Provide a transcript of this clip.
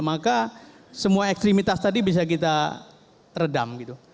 maka semua ekstrimitas tadi bisa kita redam gitu